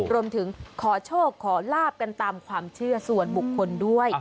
รวมถึงขอโชคขอลาบกันตามความเชื่อส่วนบุคคลด้วย